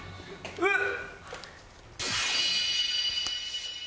えっ！